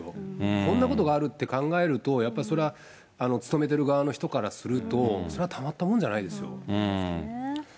こんなことがあるって考えるとやっぱりそりゃ勤めている側の人からすると、それはたまったもんじゃないですよ。